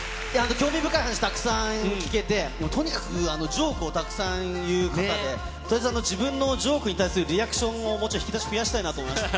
興味深い話、たくさん聞けて、とにかくジョークをたくさん言う方で、とりあえず自分のジョークに対するリアクションの、引き出しをもうちょっと思いました。